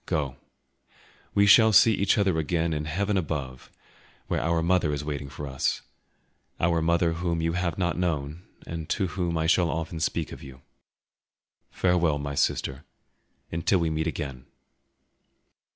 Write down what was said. Go; we shall see each other again in heaven above, where our mother is waiting for us—our mother whom you have not known, and to whom I shall often speak of you. Farewell, my sister, until we meet again!"